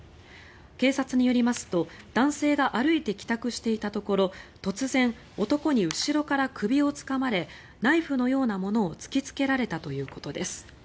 警察によりますと男性が歩いて帰宅していたところ突然、男に後ろから首をつかまれナイフのようなものを突きつけられたということです。